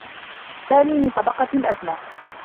سامي من طبقة أدنى.